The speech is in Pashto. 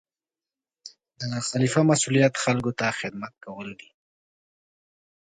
د خلیفه مسؤلیت خلکو ته خدمت کول دي.